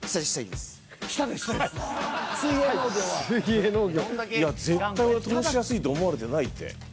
いや絶対俺通しやすいと思われてないって。